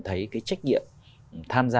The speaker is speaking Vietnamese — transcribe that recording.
thấy cái trách nhiệm tham gia